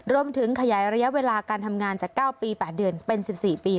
รวมถึงขยายระยะเวลาการทำงานจาก๙ปี๘เดือนเป็น๑๔ปี